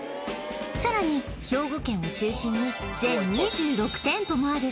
さらに兵庫県を中心に全２６店舗もある